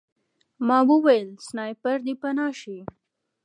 ما وویل سنایپر دی پناه شئ